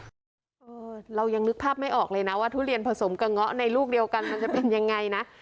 เรายังนึกภาพไม่ออกเลยนะว่าทุเรียนผสมกับเงาะในลูกเดียวกันมันจะเป็นยังไงนะ